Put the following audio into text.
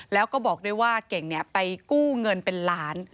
แล้วก็บอกด้วยว่าเก่งไปกู้เงินเป็นล้าน